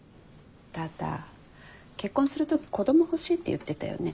ただ結婚するとき子ども欲しいって言ってたよね。